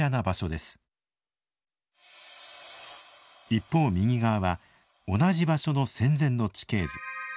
一方右側は同じ場所の戦前の地形図。